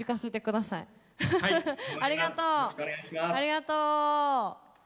ありがとう。